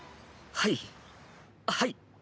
はいはい。